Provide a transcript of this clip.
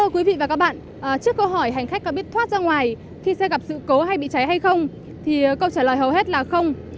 quý vị và các bạn trước câu hỏi hành khách có biết thoát ra ngoài khi xe gặp sự cố hay bị cháy hay không thì câu trả lời hầu hết là không